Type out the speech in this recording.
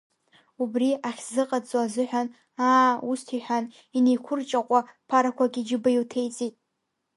Убри ахьсзыҟаҵо азыҳәан, аа, усҭ иҳәан, инеиқәырчаҟәа ԥарақәак иџьыба илҭеиҵеит.